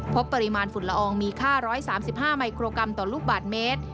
พบปริมาณฝุ่นละอองมีค่า๑๓๕มิโครกรัมต่อลูกบาทเมตร